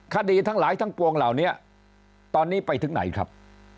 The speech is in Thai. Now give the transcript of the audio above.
คดีทั้งหลายทั้งปวงเหล่านี้ตอนนี้ไปถึงไหนครับ